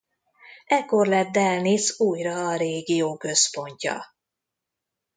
Ekkor lett Delnice újra a régió központja.